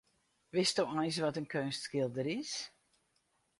Witsto eins wat in keunstskilder is?